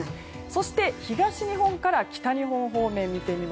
そして東日本から北日本方面。